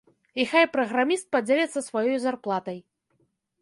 І хай праграміст падзеліцца сваёй зарплатай.